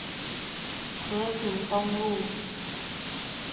和平東路